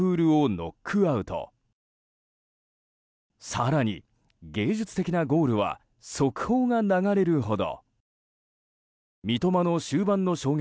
更に、芸術的なゴールは速報が流れるほど。